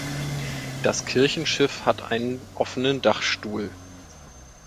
Das Kirchenschiff hat einen offenen Dachstuhl.